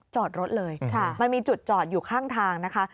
จอดรถเลยมันมีจุดจอดอยู่ข้างทางนะคะ